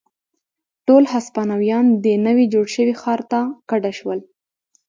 ټول هسپانویان دې نوي جوړ شوي ښار ته کډه شول.